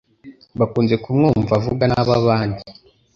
Bakunze kumwumva avuga nabi abandi